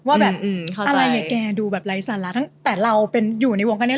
ว่าแบบอะไรอ่ะแกดูแบบไร้สาระแต่เราอยู่ในวงกันเนี่ย